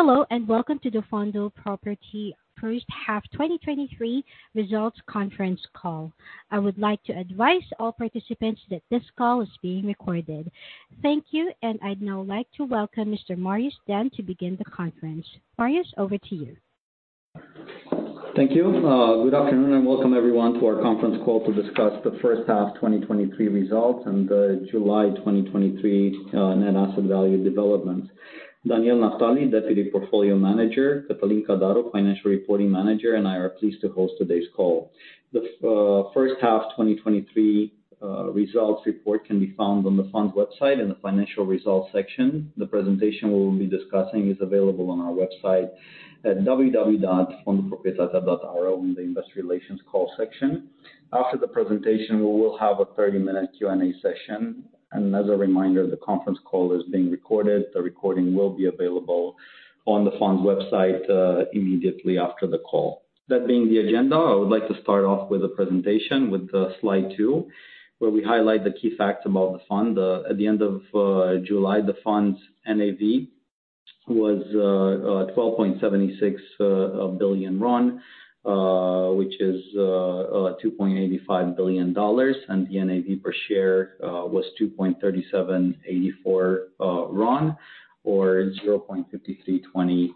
Hello, and welcome to the Fondul Proprietatea first half 2023 results conference call. I would like to advise all participants that this call is being recorded. Thank you, and I'd now like to welcome Mr. Marius Dan to begin the conference. Marius, over to you. Thank you. Good afternoon, and welcome everyone to our conference call to discuss the first half 2023 results and the July 2023 net asset value development. Daniel Naftali, Deputy Portfolio Manager, Cătălin Cadaru, Financial Reporting Manager, and I are pleased to host today's call. The first half 2023 results report can be found on the fund's website in the financial results section. The presentation we will be discussing is available on our website at www.fondpropietatea.ro in the investor relations call section. After the presentation, we will have a 30-minute Q&A session. As a reminder, the conference call is being recorded. The recording will be available on the fund's website immediately after the call. That being the agenda, I would like to start off with a presentation with slide two, where we highlight the Kii facts about the fund. At the end of July, the fund's NAV was RON 12.76 billion, which is $2.85 billion, and the NAV per share was RON 2.3784, or $0.5320.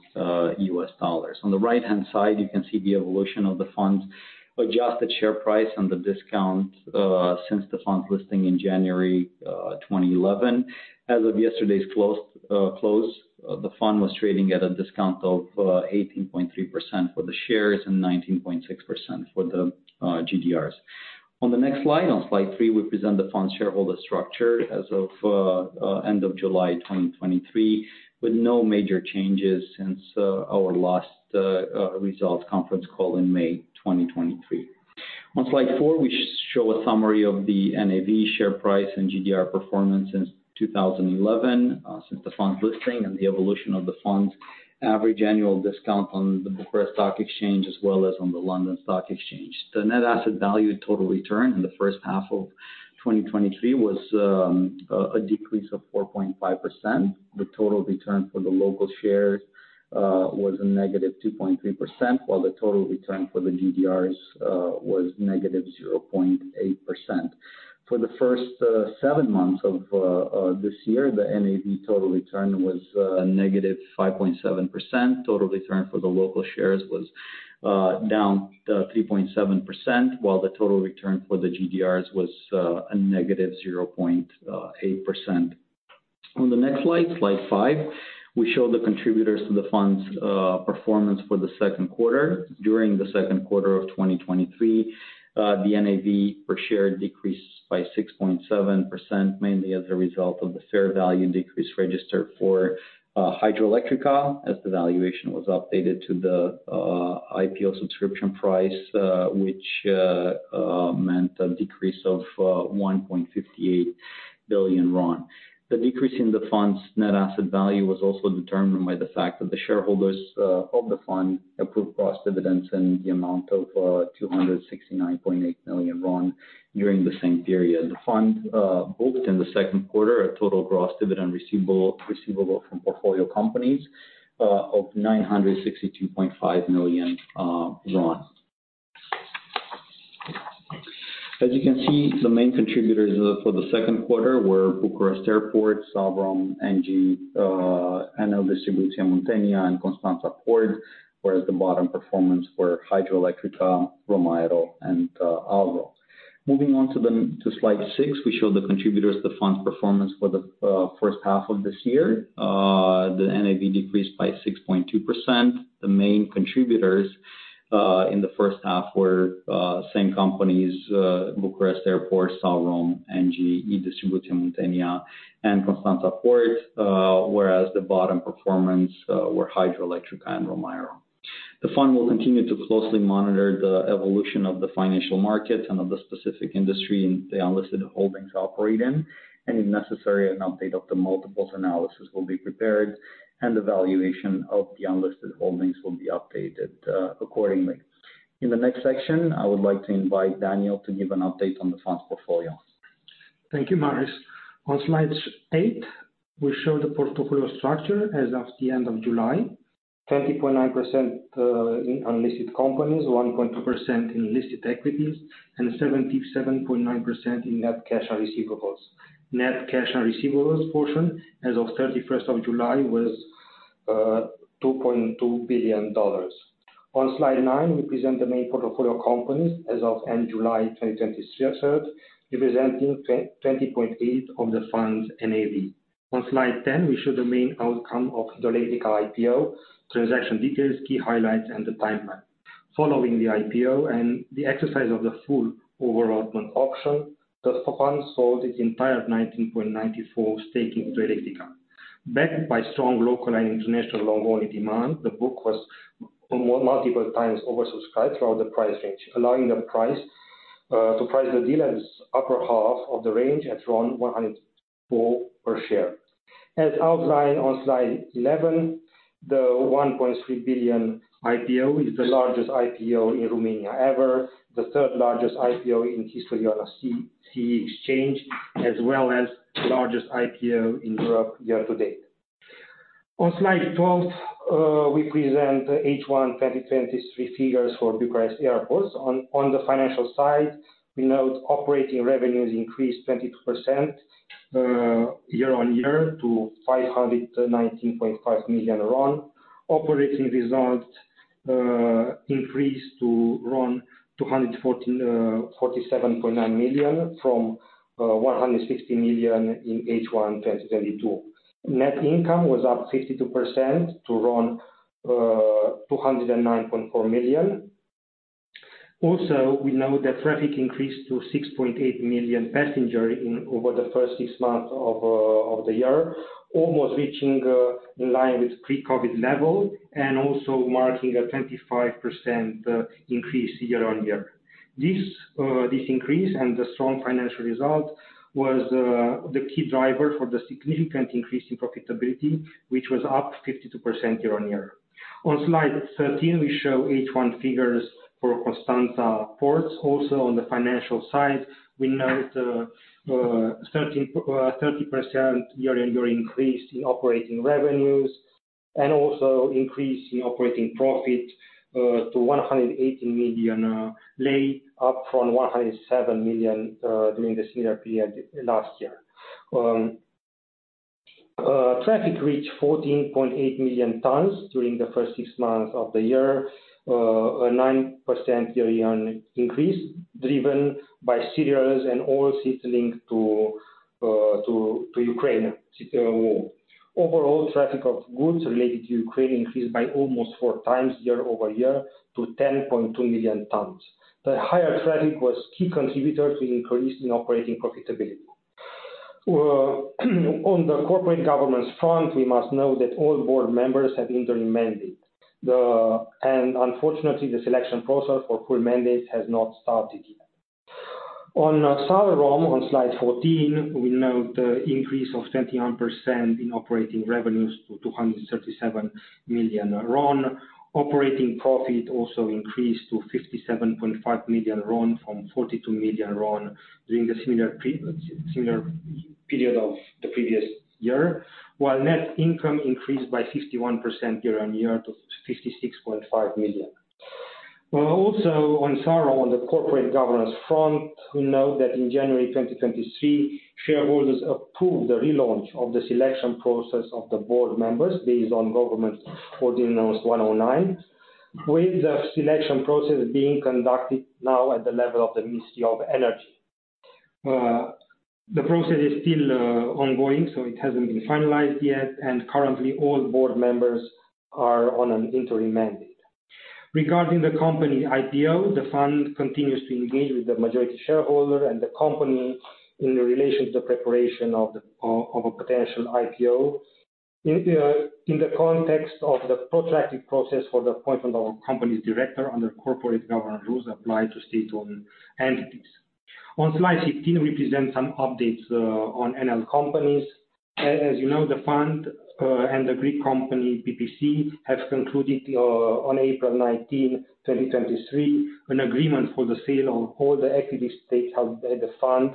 On the right-hand side, you can see the evolution of the fund's adjusted share price and the discount since the fund's listing in January 2011. As of yesterday's close, the fund was trading at a discount of 18.3% for the shares and 19.6% for the GDRs. On the next slide, on slide three, we present the fund's shareholder structure as of end of July 2023, with no major changes since our last results conference call in May 2023. On slide four, we show a summary of the NAV share price and GDR performance since 2011, since the fund's listing, and the evolution of the fund's average annual discount on the Bucharest Stock Exchange, as well as on the London Stock Exchange. The net asset value total return in the first half of 2023 was a decrease of 4.5%. The total return for the local shares was a -2.3%, while the total return for the GDRs was -0.8%. For the first seven months of this year, the NAV total return was -5.7%. Total return for the local shares was down 3.7%, while the total return for the GDRs was a negative 0.8%. On the next slide, slide five, we show the contributors to the fund's performance for the second quarter. During the second quarter of 2023, the NAV per share decreased by 6.7%, mainly as a result of the fair value decrease registered for Hidroelectrica, as the valuation was updated to the IPO subscription price, which meant a decrease of RON 1.58 billion. The decrease in the fund's net asset value was also determined by the fact that the shareholders of the fund approved gross dividends in the amount of RON 269.8 million during the same period. The fund booked in the second quarter a total gross dividend receivable from portfolio companies of RON 962.5 million. As you can see, the main contributors for the second quarter were Bucharest Airports, Salrom, ENGIE, and E-Distribuție Muntenia and Constanța Port, whereas the bottom performance were Hidroelectrica, Romgaz, and Alro. Moving on to the... To slide six, we show the contributors to the fund's performance for the first half of this year. The NAV decreased by 6.2%. The main contributors in the first half were same companies, Bucharest Airports, Salrom, ENGIE, E-Distribuție Muntenia, and Constanța Port, whereas the bottom performance were Hidroelectrica and Romgaz. The fund will continue to closely monitor the evolution of the financial markets and of the specific industry the unlisted holdings operate in, and if necessary, an update of the multiples analysis will be prepared, and the valuation of the unlisted holdings will be updated, accordingly. In the next section, I would like to invite Daniel to give an update on the fund's portfolio. Thank you, Marius. On slide eight, we show the portfolio structure as of the end of July. 20.9%, in unlisted companies, 1.2% in listed equities, and 77.9% in net cash and receivables. Net cash and receivables portion as of 31st of July was $2.2 billion. On slide nine, we present the main portfolio companies as of end July 2023, representing 20.8 of the fund's NAV. On slide 10, we show the main outcome of the Hidroelectrica IPO, transaction details, Kii highlights, and the timeline. Following the IPO and the exercise of the full overallotment auction, the fund sold its entire 19.94% stake in Hidroelectrica. Backed by strong local and international long-only demand, the book was multiple times oversubscribed throughout the price range, allowing the price to price the dealers' upper half of the range at around 104 per share. As outlined on slide 11, the RON 1.3 billion IPO is the largest IPO in Romania ever, the third largest IPO in history on a CEE exchange, as well as the largest IPO in Europe year to date. On slide 12, we present the H1 2023 figures for Bucharest Airports. On the financial side, we note operating revenues increased 22% year-on-year to RON 519.5 million. Operating results increased to RON 214.479 million from RON 160 million in H1 2022. Net income was up 52% to RON 209.4 million. Also, we know that traffic increased to 6.8 million passenger in over the first six months of the year. Almost reaching in line with pre-COVID level, and also marking a 25% increase year-on-year. This this increase and the strong financial result was the Kii driver for the significant increase in profitability, which was up 52% year-on-year. On slide 13, we show H1 figures for Constanța Ports. Also on the financial side, we note 13% year-on-year increase in operating revenues, and also increase in operating profit to RON 118 million, up from RON 107 million during this year period last year. Traffic reached 14.8 million tons during the first six months of the year, a 9% year-on-year increase, driven by cereals and oils linked to Ukraine war. Overall, traffic of goods related to Ukraine increased by almost four times year-over-year to 10.2 million tons. The higher traffic was Kii contributor to increase in operating profitability. On the corporate governance front, we must know that all board members have interim mandate. Unfortunately, the selection process for full mandate has not started yet. On Salrom, on slide 14, we note the increase of 21% in operating revenues to RON 237 million. Operating profit also increased to RON 57.5 million, from RON 42 million during the similar period of the previous year. While net income increased by 51% year-on-year to RON 56.5 million. Also on Salrom, on the corporate governance front, we know that in January 2023, shareholders approved the relaunch of the selection process of the board members based on Government Ordinance 109, with the selection process being conducted now at the level of the Ministry of Energy. The process is still ongoing, so it hasn't been finalized yet, and currently, all board members are on an interim mandate. Regarding the company IPO, the fund continues to engage with the majority shareholder and the company in relation to the preparation of the of a potential IPO. In in the context of the protracted process for the appointment of a company's director under corporate governance rules apply to state-owned entities. On slide 16, we present some updates on Enel companies. As you know, the fund and the Greek company, PPC, have concluded on April 19, 2023, an agreement for the sale of all the equity stakes of the fund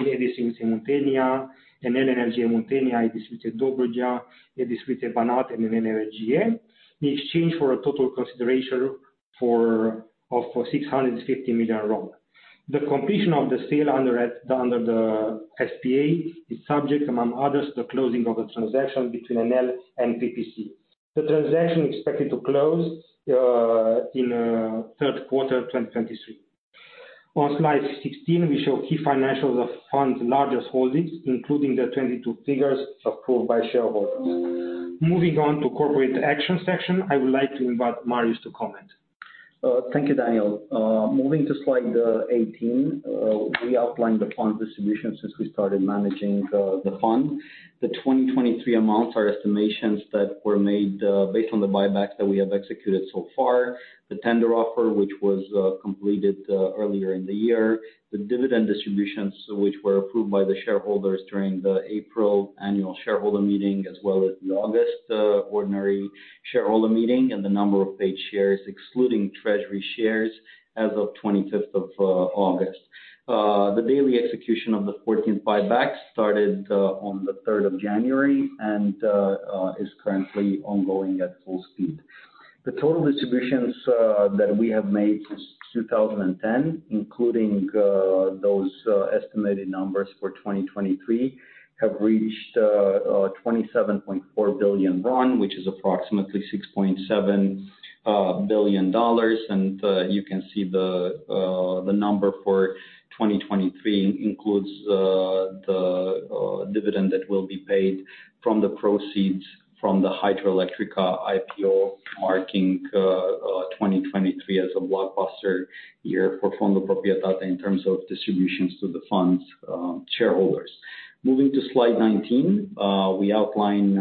in E-Distribuție Muntenia and Enel Energie Muntenia, E-Distribuție Dobrogea, E-Distribuție Banat, and Enel Energie in exchange for a total consideration of RON 650 million. The completion of the sale under the SPA is subject, among others, to the closing of the transaction between Enel and PPC. The transaction is expected to close in third quarter 2023. On slide 16, we show Kii financials of the fund's largest holdings, including the 2022 figures approved by shareholders. Moving on to the corporate action section, I would like to invite Marius to comment. Thank you, Daniel. Moving to slide 18, we outlined the fund distribution since we started managing the fund. The 2023 amounts are estimations that were made based on the buybacks that we have executed so far. The tender offer, which was completed earlier in the year. The dividend distributions, which were approved by the shareholders during the April annual shareholder meeting, as well as the August ordinary shareholder meeting, and the number of paid shares, excluding treasury shares, as of 25th of August. The daily execution of the 14th buyback started on the 3rd of January and is currently ongoing at full speed. The total distributions that we have made since 2010, including those estimated numbers for 2023, have reached RON 27.4 billion, which is approximately $6.7 billion. You can see the number for 2023 includes the dividend that will be paid from the proceeds from the Hidroelectrica IPO, marking 2023 as a blockbuster year for Fondul Proprietatea in terms of distributions to the fund's shareholders. Moving to slide 19, we outline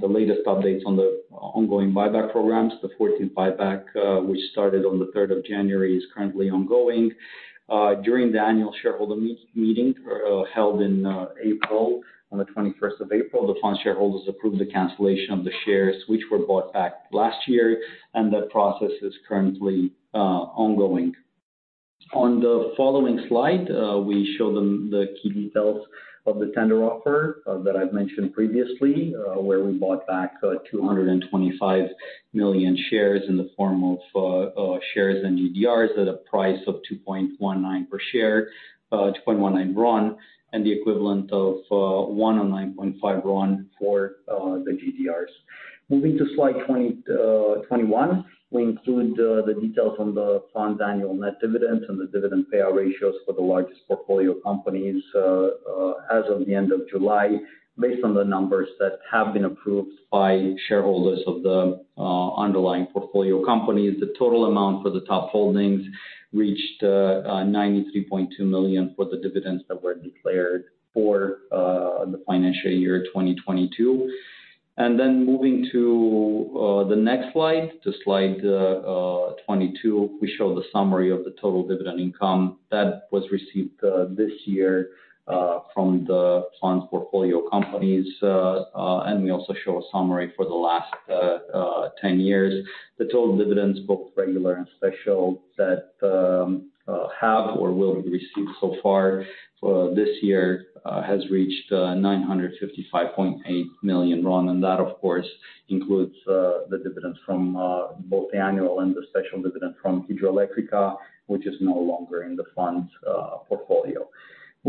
the latest updates on the ongoing buyback programs. The 14th buyback, which started on the 3rd of January, is currently ongoing. During the annual shareholder meeting held on April 21, the fund shareholders approved the cancellation of the shares, which were bought back last year, and that process is currently ongoing. On the following slide, we show them the Kii details of the tender offer that I've mentioned previously, where we bought back 225 million shares in the form of shares and GDRs at a price of RON 2.19 per share, and the equivalent of RON 109.5 for the GDRs. Moving to slide 20, 21, we include the details on the fund annual net dividend and the dividend payout ratios for the largest portfolio companies, as of the end of July, based on the numbers that have been approved by shareholders of the underlying portfolio companies. The total amount for the top holdings reached RON 93.2 million for the dividends that were declared for the financial year 2022. And then moving to the next slide, to slide 22, we show the summary of the total dividend income that was received this year from the fund's portfolio companies. And we also show a summary for the last 10 years. The total dividends, both regular and special, that have or will be received so far this year has reached RON 955.8 million. And that, of course, includes the dividends from both the annual and the special dividend from Hidroelectrica, which is no longer in the fund's portfolio.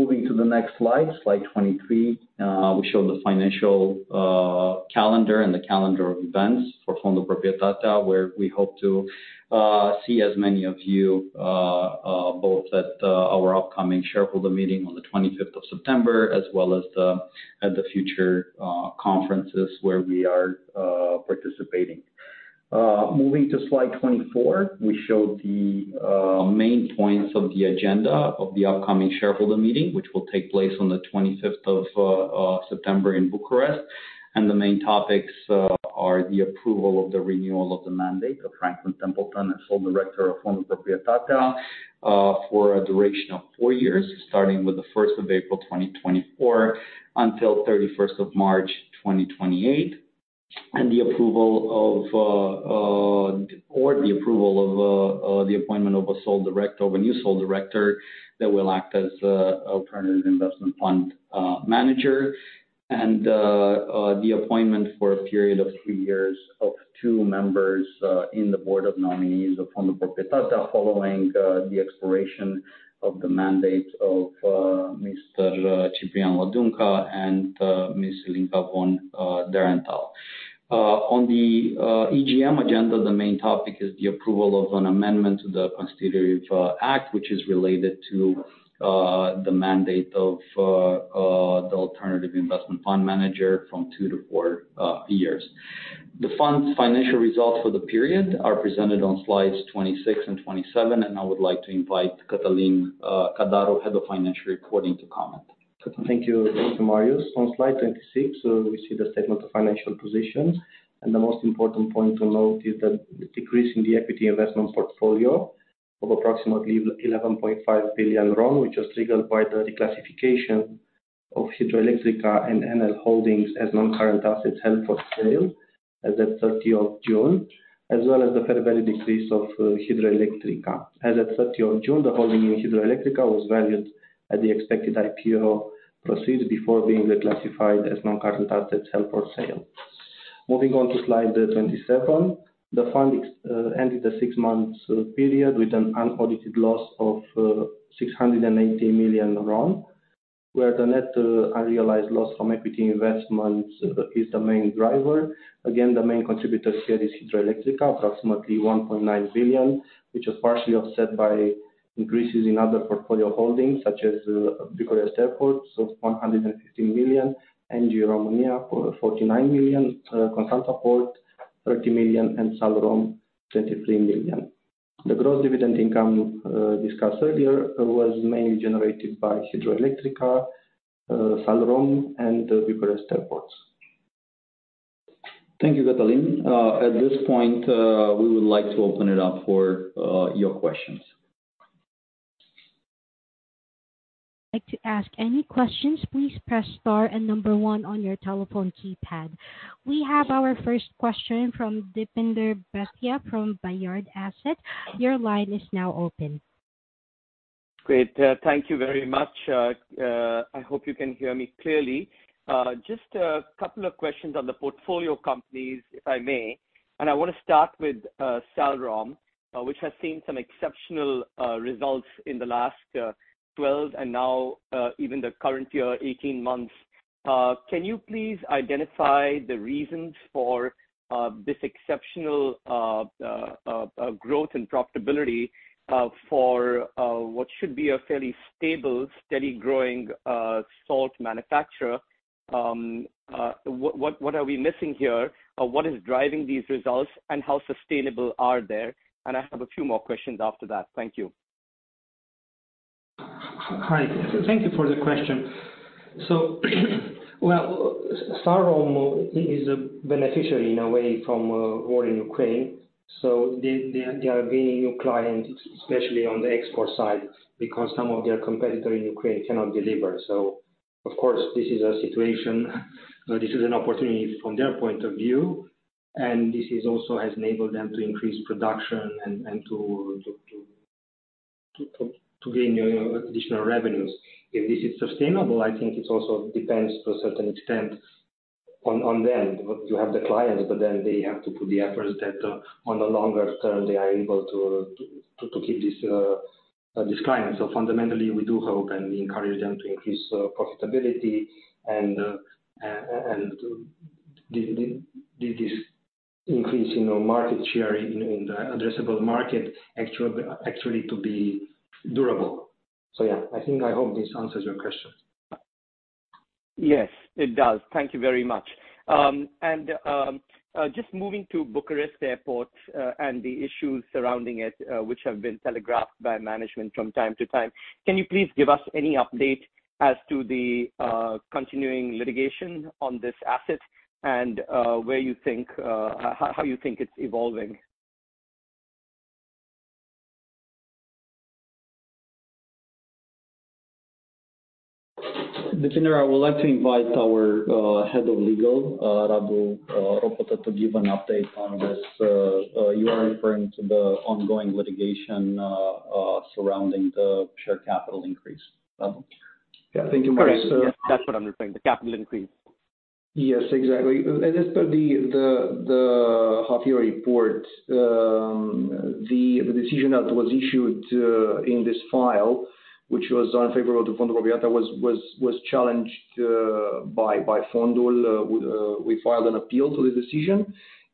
Moving to the next slide, slide 23, we show the financial calendar and the calendar of events for Fondul Proprietatea, where we hope to see as many of you both at our upcoming shareholder meeting on the 25th of September, as well as at the future conferences where we are participating. Moving to slide 24, we show the main points of the agenda of the upcoming shareholder meeting, which will take place on the 25th of September in Bucharest. The main topics are the approval of the renewal of the mandate of Franklin Templeton and sole director of Fondul Proprietatea for a duration of four years, starting with the 1st of April 2024, until 31st of March 2028. The approval of the appointment of a sole director, of a new sole director, that will act as alternative investment fund manager. The appointment for a period of three years of two members in the board of nominees of Fondul Proprietatea, following the expiration of the mandate of Mr. Ciprian Lăduncă and Ms. Ilinca von Derenthall. On the EGM agenda, the main topic is the approval of an amendment to the Constitutive Act, which is related to the mandate of the alternative investment fund manager from two to four years. The fund's financial results for the period are presented on slides 26 and 27, and I would like to invite Cătălin Cadaru, Head of Financial Reporting, to comment. Thank you. Thank you, Marius. On slide 26, we see the statement of financial position, and the most important point to note is the decrease in the equity investment portfolio of approximately RON 11.5 billion, which was triggered by the reclassification of Hidroelectrica and Enel Holdings as non-current assets held for sale, as at 30 June, as well as the fair value decrease of Hidroelectrica. As at 30 June, the holding in Hidroelectrica was valued at the expected IPO proceeds before being reclassified as non-current assets held for sale. Moving on to slide 27. The fund ended the six-month period with an unaudited loss of RON 680 million, where the net unrealized loss from equity investments is the main driver. Again, the main contributor here is Hidroelectrica, approximately RON 1.9 billion, which was partially offset by increases in other portfolio holdings, such as, Bucharest Airports of RON 150 million, ENGIE Romania, 49 million, Constanța Port, RON 30 million, and Salrom, RON 23 million. The gross dividend income, discussed earlier, was mainly generated by Hidroelectrica, Salrom and, Bucharest Airports. Thank you, Cătălin. At this point, we would like to open it up for your questions. Like to ask any questions, please press star and number one on your telephone keypad. We have our first question from Deepinder Bhatia, from Bayard Asset. Your line is now open. Great. Thank you very much. I hope you can hear me clearly. Just a couple of questions on the portfolio companies, if I may. I want to start with Salrom, which has seen some exceptional results in the last 12 and now even the current year, 18 months. Can you please identify the reasons for this exceptional growth and profitability for what should be a fairly stable, steady growing salt manufacturer? What are we missing here? What is driving these results, and how sustainable are they? I have a few more questions after that. Thank you. Hi, thank you for the question. So, well, Salrom is a beneficiary in a way, from war in Ukraine, so they, they, they are gaining new clients, especially on the export side, because some of their competitor in Ukraine cannot deliver. So of course, this is a situation, this is an opportunity from their point of view.... And this is also has enabled them to increase production and to gain additional revenues. If this is sustainable, I think it also depends to a certain extent on them. You have the clients, but then they have to put the efforts that on the longer term, they are able to keep this client. So fundamentally, we do hope and we encourage them to increase profitability and increase, you know, market share in the addressable market actually to be durable. So yeah, I think I hope this answers your question. Yes, it does. Thank you very much. Just moving to Bucharest Airport and the issues surrounding it, which have been telegraphed by management from time to time. Can you please give us any update as to the continuing litigation on this asset and where you think, how you think it's evolving? Deepinder, I would like to invite our Head of Legal, Radu Ropotă, to give an update on this. You are referring to the ongoing litigation surrounding the share capital increase. Radu? Yeah. Thank you very much, sir. Correct. Yes, that's what I'm referring, the capital increase. Yes, exactly. As per the half year report, the decision that was issued in this file, which was unfavorable to Fondul Proprietatea, was challenged by Fondul. We filed an appeal to the decision,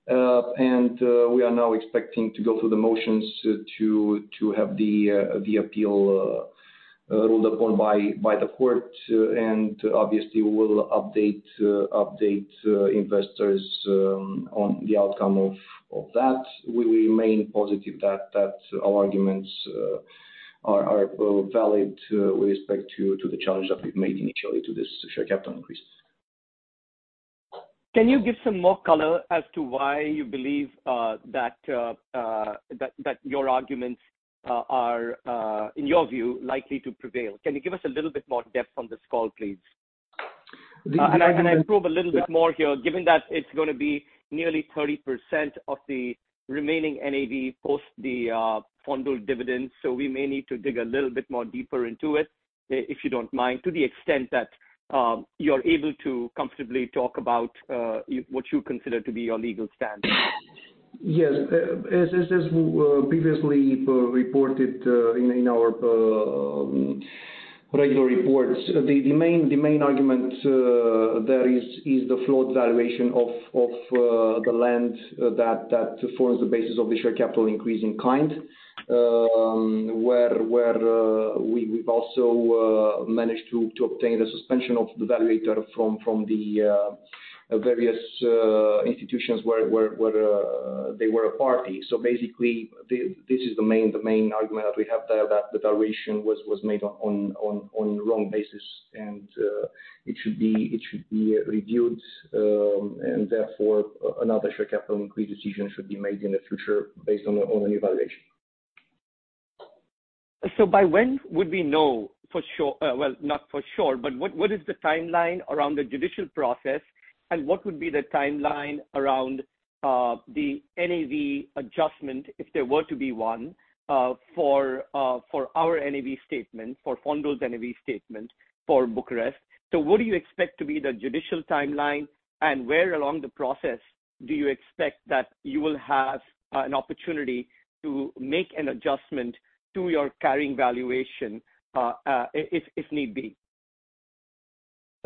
and we are now expecting to go through the motions to have the appeal ruled upon by the court. And obviously, we will update investors on the outcome of that. We remain positive that our arguments are valid with respect to the challenge that we've made initially to this share capital increase. Can you give some more color as to why you believe that your arguments are, in your view, likely to prevail? Can you give us a little bit more depth on this call, please? Deepinder- I probe a little bit more here, given that it's going to be nearly 30% of the remaining NAV post the Fondul dividend, so we may need to dig a little bit more deeper into it, if you don't mind, to the extent that you're able to comfortably talk about what you consider to be your legal standard. Yes. As previously reported in our regular reports, the main argument there is the flawed valuation of the land that forms the basis of the share capital increase in kind. Where we've also managed to obtain a suspension of the valuator from the various institutions where they were a party. So basically, this is the main argument that we have, that the valuation was made on the wrong basis, and it should be reviewed, and therefore, another share capital increase decision should be made in the future based on a new valuation. So by when would we know for sure... Well, not for sure, but what, what is the timeline around the judicial process, and what would be the timeline around the NAV adjustment, if there were to be one, for our NAV statement, for Fondul's NAV statement for Bucharest? So what do you expect to be the judicial timeline, and where along the process do you expect that you will have an opportunity to make an adjustment to your carrying valuation, if need be?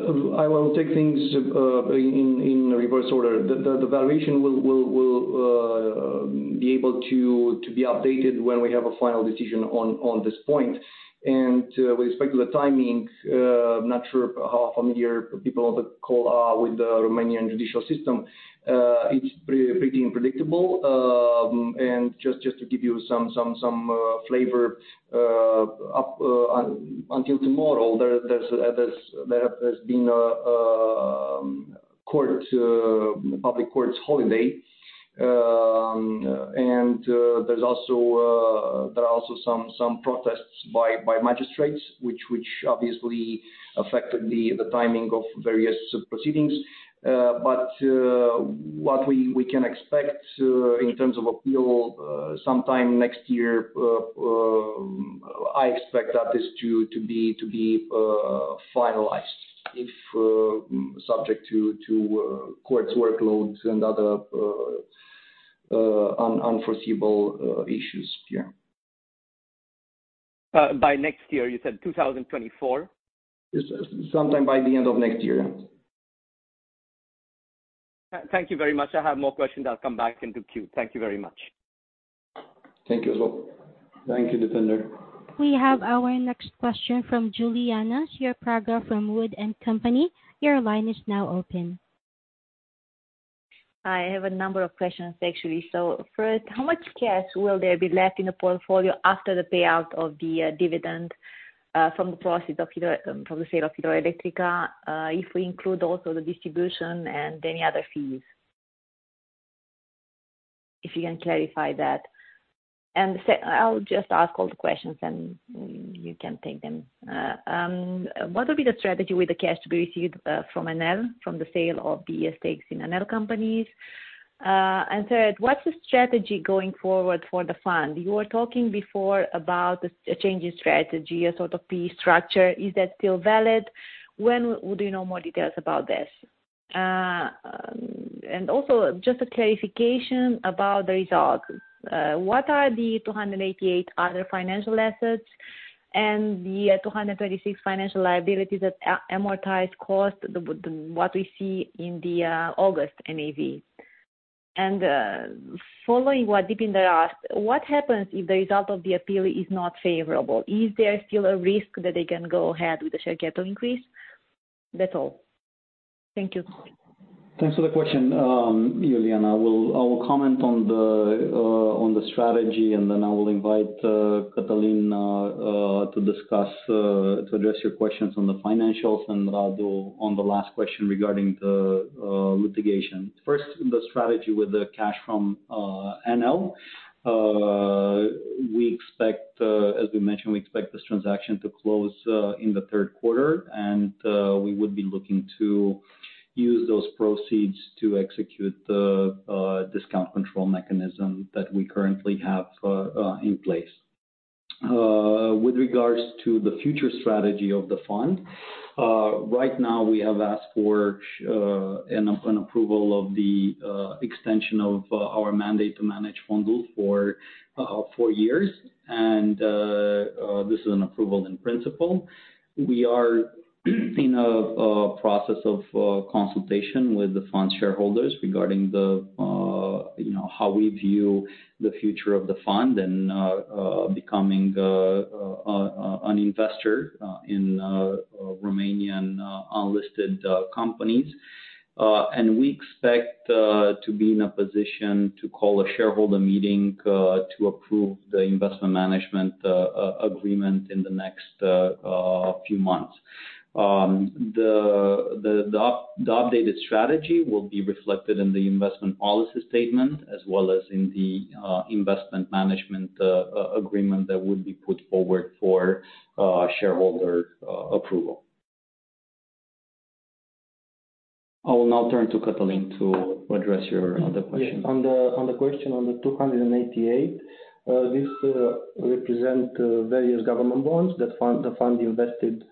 I will take things in reverse order. The valuation will be able to be updated when we have a final decision on this point. With respect to the timing, I'm not sure how familiar people on the call are with the Romanian judicial system. It's pretty unpredictable. And just to give you some flavor, until tomorrow, there has been public courts holiday. There are also some protests by magistrates, which obviously affected the timing of various proceedings. But what we can expect in terms of appeal sometime next year, I expect that this to be finalized, subject to court's workloads and other unforeseeable issues. Yeah. By next year, you said 2024? Sometime by the end of next year. Thank you very much. I have more questions. I'll come back into queue. Thank you very much. Thank you as well. Thank you, Deepinder. We have our next question from Iuliana Ciopraga from Wood & Company. Your line is now open. I have a number of questions, actually. So first, how much cash will there be left in the portfolio after the payout of the dividend from the proceeds of Hidroelectrica, from the sale of Hidroelectrica, if we include also the distribution and any other fees? If you can clarify that. And I'll just ask all the questions, and you can take them. What will be the strategy with the cash to be received from Enel, from the sale of the stakes in Enel companies? And third, what's the strategy going forward for the fund? You were talking before about the changing strategy, a sort of fee structure. Is that still valid? When would we know more details about this? And also just a clarification about the results. What are the 288 other financial assets and the 236 financial liabilities that amortized cost, what we see in the August NAV? And following what Deepinder asked, what happens if the result of the appeal is not favorable? Is there still a risk that they can go ahead with the share capital increase? That's all. Thank you. Thanks for the question, Iuliana. I will comment on the strategy, and then I will invite Cătălin to discuss, to address your questions on the financials, and I'll go on the last question regarding the litigation. First, the strategy with the cash from Enel. We expect, as we mentioned, we expect this transaction to close in the third quarter, and we would be looking to use those proceeds to execute the discount control mechanism that we currently have in place. With regards to the future strategy of the fund, right now, we have asked for an approval of the extension of our mandate to manage Fondul for about four years, and this is an approval in principle. We are in a process of consultation with the fund shareholders regarding, you know, how we view the future of the fund and becoming an investor in Romanian unlisted companies. We expect to be in a position to call a shareholder meeting to approve the investment management agreement in the next few months. The updated strategy will be reflected in the investment policy statement as well as in the investment management agreement that would be put forward for shareholder approval. I will now turn to Cătălin to address your other question. Yeah. On the, on the question on the 288, this, represent, various government bonds. That fund, the fund invested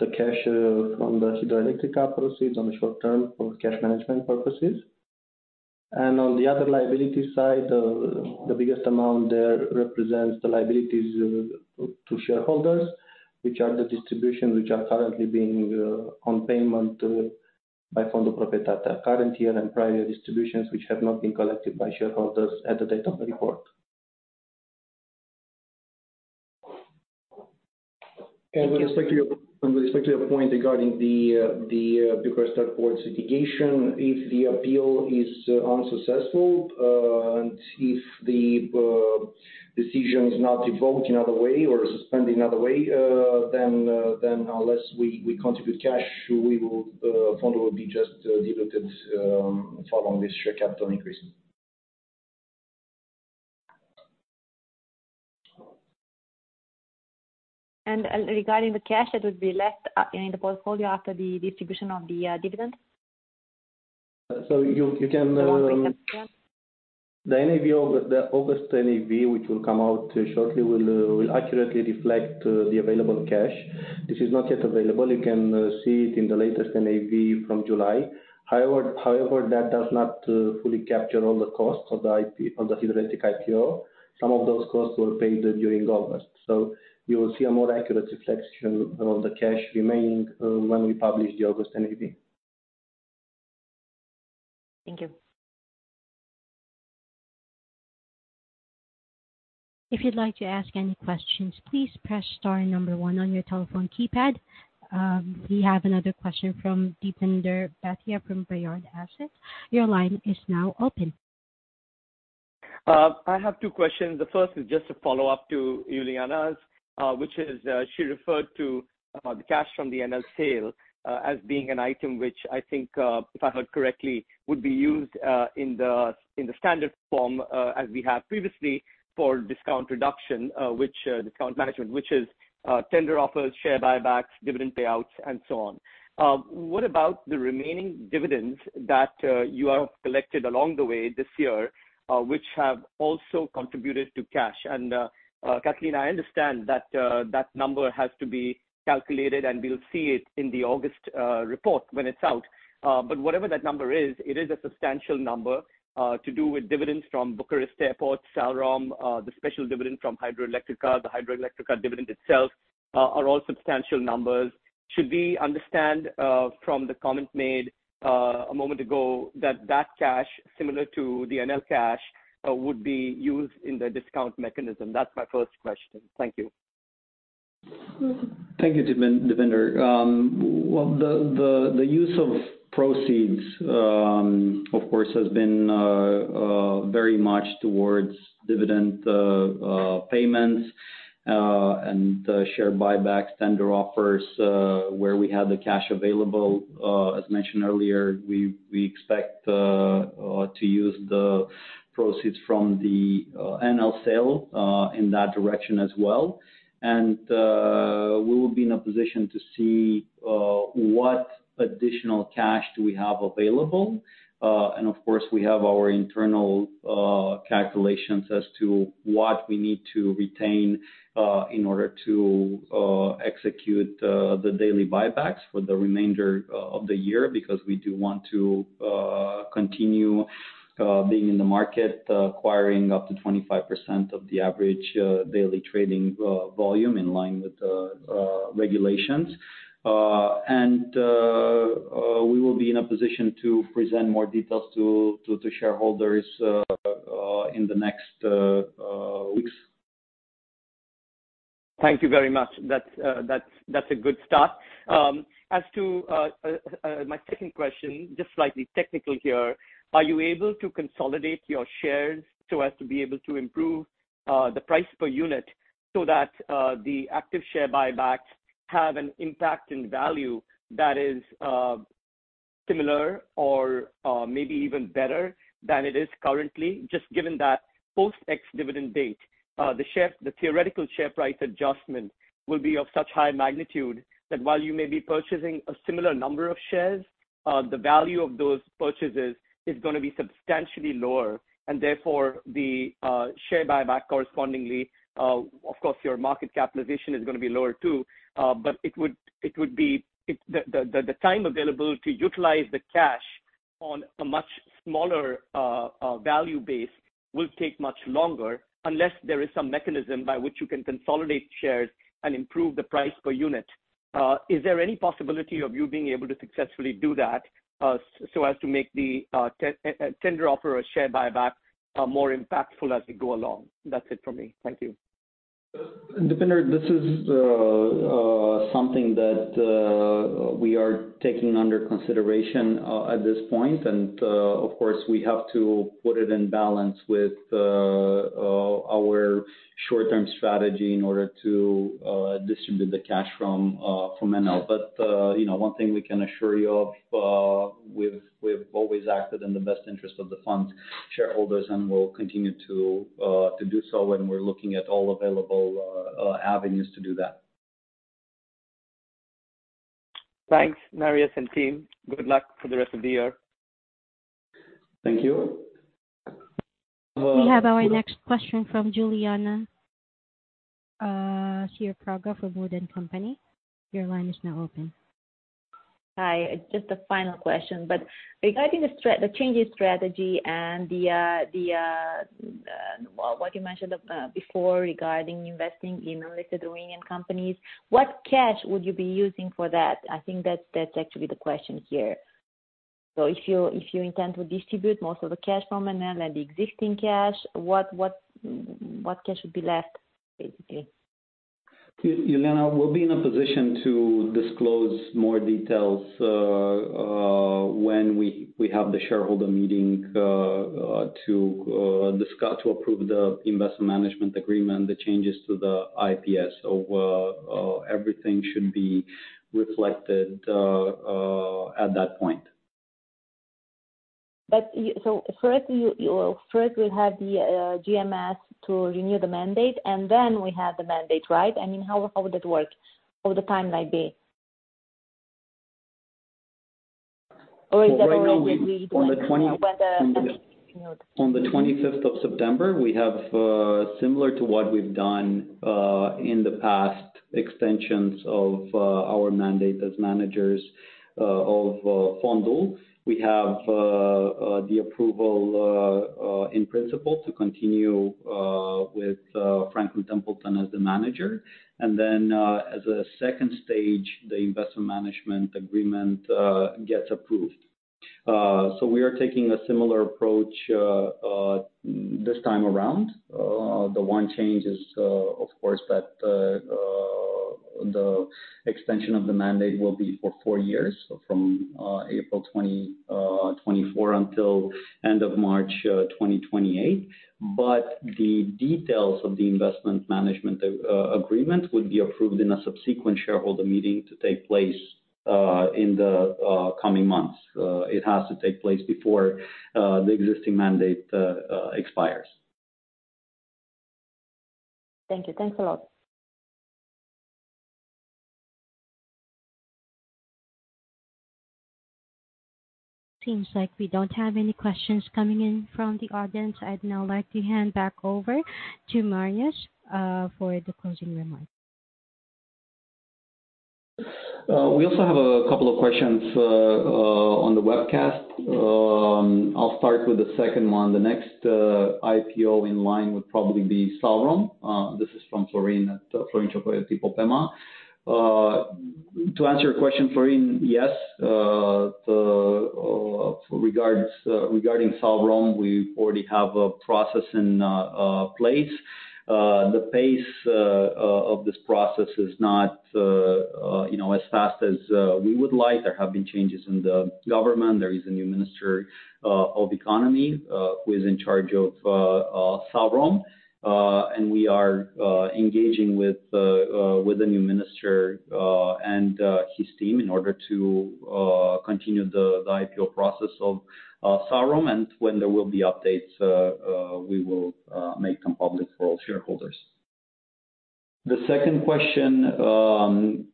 the cash, from the Hidroelectrica proceeds on a short term for cash management purposes. And on the other liability side, the biggest amount there represents the liabilities, to shareholders, which are the distributions which are currently being, on payment, by Fondul Proprietatea. Current year and prior distributions, which have not been collected by shareholders at the date of the report. Thank you. With respect to your point regarding the Bucharest Airport litigation, if the appeal is unsuccessful, and if the decision is not revoked another way or suspended another way, then unless we contribute cash, Fondul will be just diluted following this share capital increase. Regarding the cash that would be left in the portfolio after the distribution of the dividends? So you can The one second, yeah. The NAV of the August NAV, which will come out shortly, will accurately reflect the available cash. This is not yet available, you can see it in the latest NAV from July. However, that does not fully capture all the costs of the IP, of the Hidroelectrica IPO. Some of those costs were paid during August, so you will see a more accurate reflection of the cash remaining when we publish the August NAV. Thank you. If you'd like to ask any questions, please press star number one on your telephone keypad. We have another question from Deepinder Bhatia from Bayard Asset. Your line is now open. I have two questions. The first is just a follow-up to Iuliana, which is, she referred to the cash from the Enel sale as being an item, which I think, if I heard correctly, would be used in the standard form as we have previously for discount reduction, which discount management, which is tender offers, share buybacks, dividend payouts, and so on. What about the remaining dividends that you have collected along the way this year, which have also contributed to cash? And, Cătălin, I understand that that number has to be calculated, and we'll see it in the August report when it's out. But whatever that number is, it is a substantial number, to do with dividends from Bucharest Airports, Salrom, the special dividend from Hidroelectrica, the Hidroelectrica dividend itself, are all substantial numbers. Should we understand, from the comment made, a moment ago that that cash, similar to the NL cash, would be used in the discount mechanism? That's my first question. Thank you. Thank you, Deepinder. Well, the use of proceeds, of course, has been very much towards dividend payments... and share buybacks, tender offers, where we have the cash available. As mentioned earlier, we expect to use the proceeds from the Enel sale in that direction as well. We will be in a position to see what additional cash we have available. Of course, we have our internal calculations as to what we need to retain in order to execute the daily buybacks for the remainder of the year. Because we do want to continue being in the market, acquiring up to 25% of the average daily trading volume in line with the regulations. We will be in a position to present more details to shareholders in the next weeks. Thank you very much. That's a good start. As to my second question, just slightly technical here: Are you able to consolidate your shares so as to be able to improve the price per unit, so that the active share buybacks have an impact in value that is similar or maybe even better than it is currently? Just given that post-ex-dividend date, the share - the theoretical share price adjustment will be of such high magnitude, that while you may be purchasing a similar number of shares, the value of those purchases is gonna be substantially lower. And therefore, the share buyback correspondingly, of course, your market capitalization is gonna be lower, too. But it would be... The time available to utilize the cash on a much smaller value base will take much longer, unless there is some mechanism by which you can consolidate shares and improve the price per unit. Is there any possibility of you being able to successfully do that, so as to make the tender offer or share buyback more impactful as we go along? That's it for me. Thank you. Deepinder, this is something that we are taking under consideration at this point. Of course, we have to put it in balance with our short-term strategy in order to distribute the cash from Enel. But, you know, one thing we can assure you of, we've always acted in the best interest of the fund's shareholders, and we'll continue to do so, and we're looking at all available avenues to do that. Thanks, Marius and team. Good luck for the rest of the year. Thank you. We have our next question from Iuliana Ciopraga for Wood & Company. Your line is now open. Hi, just a final question. But regarding the changing strategy and what you mentioned before regarding investing in listed Romanian companies, what cash would you be using for that? I think that's actually the question here. So if you intend to distribute most of the cash from NL and the existing cash, what cash would be left, basically? Iuliana, we'll be in a position to disclose more details when we have the shareholder meeting to discuss... to approve the investment management agreement, the changes to the IPS. So everything should be reflected at that point. But so first, you will first have the GMS to renew the mandate, and then we have the mandate, right? I mean, how would that work, or the timeline be? Or is that already- On the 20- -when the On the 25th of September, we have similar to what we've done in the past, extensions of our mandate as managers of Fondul. We have the approval in principle to continue with Franklin Templeton as the manager. And then, as a second stage, the investment management agreement gets approved. So we are taking a similar approach this time around. The one change is, of course, that the extension of the mandate will be for four years, from April 20, 2024 until end of March 2028. But the details of the investment management agreement would be approved in a subsequent shareholder meeting to take place in the coming months. It has to take place before the existing mandate expires. Thank you. Thanks a lot. Seems like we don't have any questions coming in from the audience. I'd now like to hand back over to Marius, for the closing remarks. We also have a couple of questions on the webcast. I'll start with the second one. The next IPO in line would probably be Salrom. This is from Florin, Florin Mocioii at IPP PEMA]. To answer your question, Florin, yes, the regards regarding Salrom, we already have a process in place. The pace of this process is not, you know, as fast as we would like. There have been changes in the government. There is a new minister of economy who is in charge of Salrom. And we are engaging with the new minister and his team in order to continue the IPO process of Salrom. When there will be updates, we will make them public for all shareholders. The second question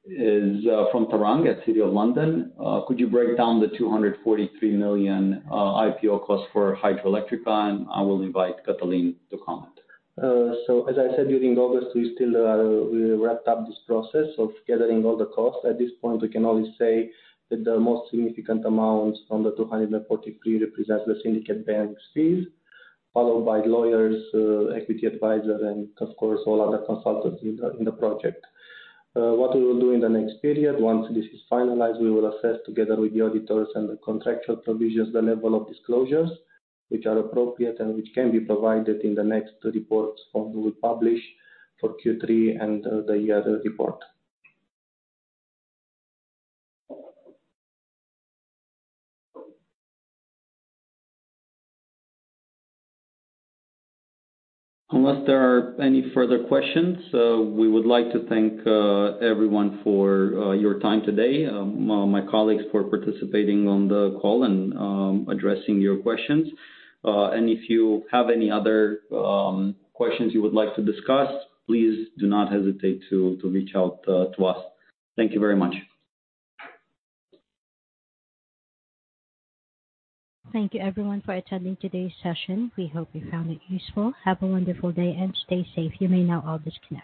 is from Tarang at City of London: Could you break down the RON 243 million IPO cost for Hidroelectrica? I will invite Cătălin to comment. So as I said, during August, we still, we wrapped up this process of gathering all the costs. At this point, we can only say that the most significant amount from the RON 243 represent the syndicate bank fees, followed by lawyers, equity advisor, and of course, all other consultants in the project. What we will do in the next period, once this is finalized, we will assess, together with the auditors and the contractual provisions, the level of disclosures which are appropriate and which can be provided in the next reports that we publish for Q3 and the other report. Unless there are any further questions, we would like to thank everyone for your time today, my colleagues for participating on the call and addressing your questions. If you have any other questions you would like to discuss, please do not hesitate to reach out to us. Thank you very much. Thank you, everyone, for attending today's session. We hope you found it useful. Have a wonderful day and stay safe. You may now all disconnect.